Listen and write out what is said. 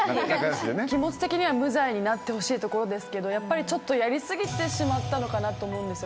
気持ち的には無罪になってほしいところですけどやっぱりちょっとやり過ぎてしまったのかなと思うんですよ。